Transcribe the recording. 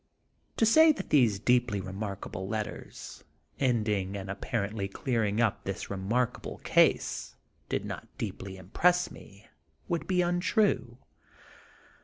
To say that these remarkable letters, ending and apparently clearing up this re markable case, did not deeply impress me, would be untrue.